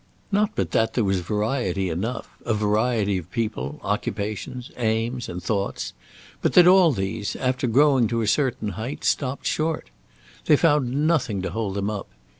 Not but that there was variety enough; a variety of people, occupations, aims, and thoughts; but that all these, after growing to a certain height, stopped short. They found nothing to hold them up.